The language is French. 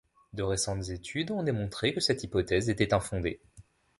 De récentes études ont démontré que cette hypothèse était infondée.